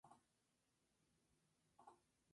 En ocasiones de color blanco amarillento.